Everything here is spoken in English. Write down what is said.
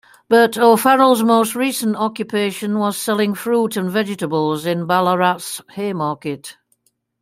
But O'Farrell's most recent occupation was selling fruit and vegetables in Ballarat's Haymarket.